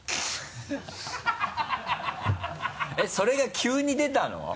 えっそれが急に出たの？